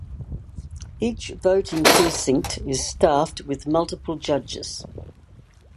Each voting precinct is staffed with multiple judges.